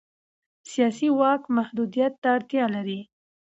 سیاسي واک محدودیت ته اړتیا لري